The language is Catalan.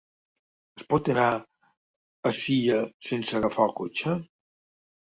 Es pot anar a Silla sense agafar el cotxe?